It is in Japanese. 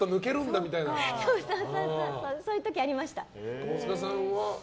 そういう時ありました。